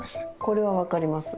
これは分かります。